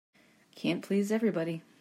I can't please everybody.